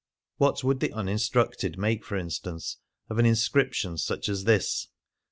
What would the uninstructed make, for instance, of an inscription such as this ?